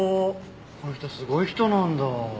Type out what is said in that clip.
この人すごい人なんだ。